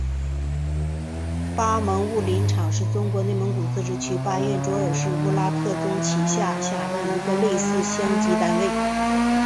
巴盟乌北林场是中国内蒙古自治区巴彦淖尔市乌拉特中旗下辖的一个类似乡级单位。